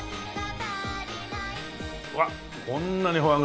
うわっこんなにフォアグラが。